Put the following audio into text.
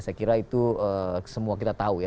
saya kira itu semua kita tahu ya